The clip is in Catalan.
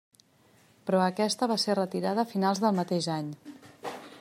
Però aquesta va ser retirada a finals del mateix any.